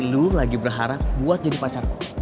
lo lagi berharap buat jadi pacar lo